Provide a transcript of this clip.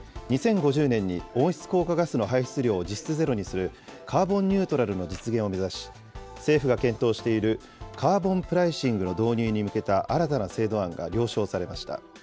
２０５０年に温室効果ガスの排出量を実質ゼロにする、カーボンニュートラルの実現を目指し、政府が検討しているカーボンプライシングの導入に向けた新たな制度案が了承されました。